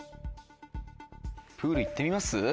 プール行ってみます？